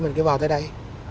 mình cứ vào tới đây